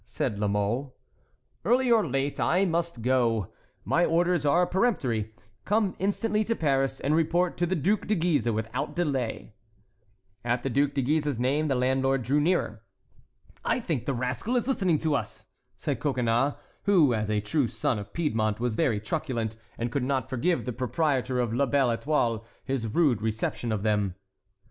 said La Mole. "Early or late, I must go; my orders are peremptory—'Come instantly to Paris, and report to the Duc de Guise without delay.'" At the Duc de Guise's name the landlord drew nearer. "I think the rascal is listening to us," said Coconnas, who, as a true son of Piedmont, was very truculent, and could not forgive the proprietor of La Belle Étoile his rude reception of them.